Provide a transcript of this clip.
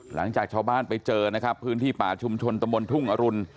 หลังจากชาวบ้านไปเจอนะครับพื้นที่ป่าชุมชนตะมนต์ทุ่งอรุณ